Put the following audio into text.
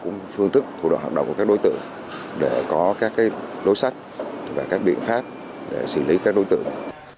cũng phương thức thủ đoạn hoạt động của các đối tượng để có các đối sách và các biện pháp để xử lý các đối tượng